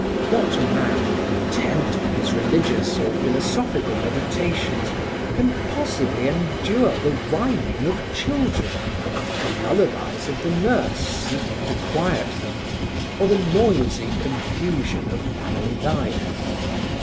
What man, intent on his religious or philosophical meditations, can possibly endure the whining of children, the lullabies of the nurse seeking to quiet them, or the noisy confusion of family life?